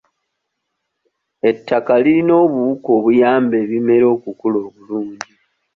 Ettaka lirina obuwuka obuyamba ebimera okukula obulungi.